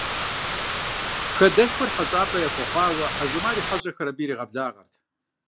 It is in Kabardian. Хадэшхуэр хэщӏапӏэ яхуэхъуауэ, Хьэжумар и хьэщӏэхэр абы иригъэблагъэрт.